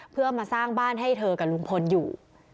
เพื่อมาสร้างบ้านให้เธอกับลุงพลอยู่